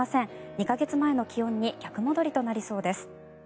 ２か月前の気温に逆戻りとなりそうです。